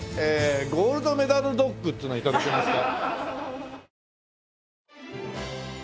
ゴールドメダルドッグっつうの頂けますか？